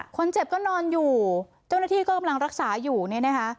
คนเจ็บก็นอนอยู่เจ้าหน้าที่ก็กำลังรักษาอยู่เนี่ยนะคะ